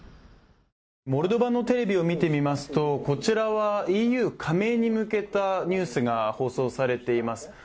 モルドバのテレビを見てみますと、こちらはＥＵ加盟に向けたニュースが放送されています。